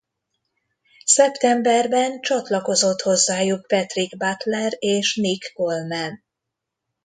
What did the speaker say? Szeptemberben csatlakozott hozzájuk Patrick Butler és Nick Coleman.